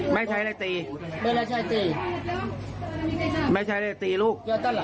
แม่ใช้อะไรตีแม่ใช้อะไรตีลูก